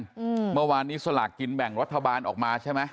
อืมเมื่อวานนี้สลากกินแบ่งรัฐบาลออกมาใช่ไหม